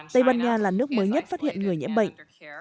tây ban nha là nước mới nhất phát hiện người nhiễm bệnh